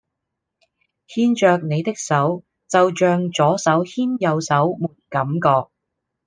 牽著你的手就象左手牽右手沒感覺